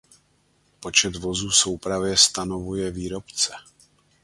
Počet vozů v soupravě stanovuje výrobce.